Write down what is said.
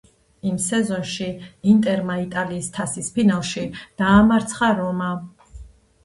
იმ სეზონში ინტერმა იტალიის თასის ფინალში დაამარცხა „რომა“.